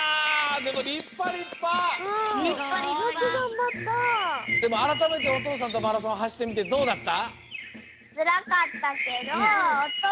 でもあらためておとうさんとマラソンはしってみてどうだった？